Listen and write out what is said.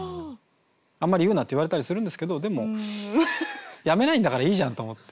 「あんまり言うな」って言われたりするんですけどでもやめないんだからいいじゃん！と思って。